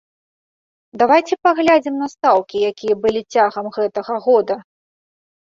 Давайце паглядзім на стаўкі, якія былі цягам гэтага года.